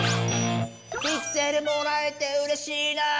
「ピクセルもらえてうれしいな」